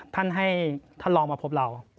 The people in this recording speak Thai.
ท่านให้ท่านลองมาพบเรา